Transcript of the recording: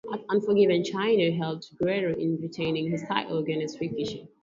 At Unforgiven, Chyna helped Guerrero in retaining his title against Rikishi.